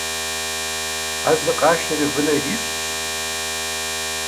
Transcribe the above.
Ӏэзэ къашэри вынэ ирищӀщ.